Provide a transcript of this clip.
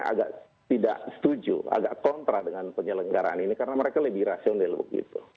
agak tidak setuju agak kontra dengan penyelenggaraan ini karena mereka lebih rasional begitu